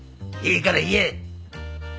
いいから言え！